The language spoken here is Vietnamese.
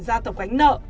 gia tộc gánh nợ